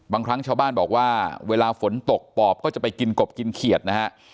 บางครั้งชาวบ้านบอกว่าเวลาฝนตกปอบก็จะไปกินกบกินเขียดนะฮะ